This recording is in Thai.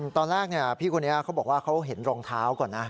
ตอนแรกพี่คนนี้เขาบอกว่าเขาเห็นรองเท้าก่อนนะ